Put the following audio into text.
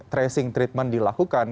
tracing treatment dilakukan